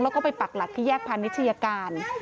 แล้วก็ไปปักหลักที่แยกพาณิชยาการ